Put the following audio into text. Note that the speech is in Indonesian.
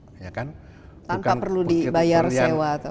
tanpa perlu dibayar sewa